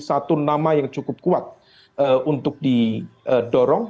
satu nama yang cukup kuat untuk didorong